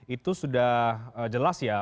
itu sudah jelas ya